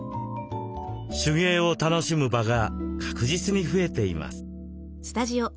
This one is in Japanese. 手芸を楽しむ場が確実に増えています。